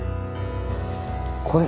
これ！